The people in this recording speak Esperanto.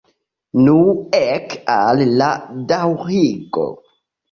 Nu, ek al la daŭrigo!